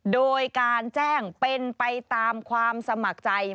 โดยการแจ้งเป็นไปตามความสมัครใจ